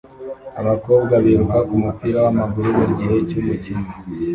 Abakobwa biruka kumupira wamaguru mugihe cyumukino